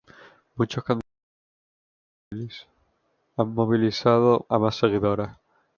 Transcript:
Muchos candidatos han movilizado a más seguidores.